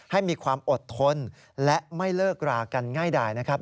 ให้มีความอดทนและไม่เลิกรากันง่ายดายนะครับ